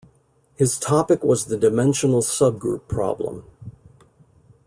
His topic was the dimensional subgroup problem.